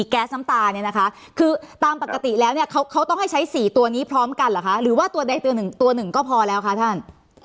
แก๊สน้ำตาเนี่ยนะคะคือตามปกติแล้วเนี่ยเขาต้องให้ใช้๔ตัวนี้พร้อมกันเหรอคะหรือว่าตัวใดตัวหนึ่งตัวหนึ่งก็พอแล้วคะท่าน